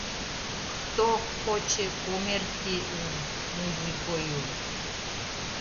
Хто хоче померти з музикою?